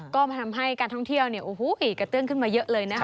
ก็มาทำให้การท่องเที่ยวกระเตื้องขึ้นมาเยอะเลยนะคะ